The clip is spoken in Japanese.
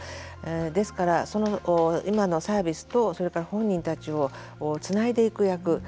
ですから、今のサービスとそれから本人たちをつないでいく役